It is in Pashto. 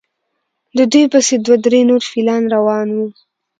د دوی پسې دوه درې نور فیلان روان وو.